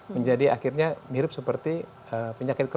menjadi akhirnya mirip seperti penyakit